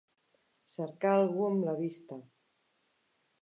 Cercar algú amb la vista.